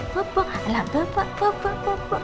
bapak ala bapak bapak bapak